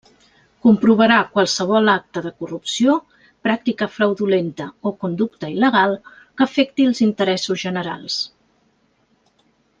Comprovarà qualsevol acte de corrupció, pràctica fraudulenta o conducta il·legal que afecti els interessos generals.